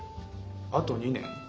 あと２年？